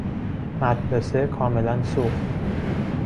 مدرسه کاملا سوخت.